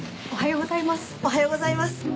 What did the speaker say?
おはようございます。